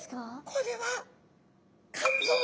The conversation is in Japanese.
これは肝臓です。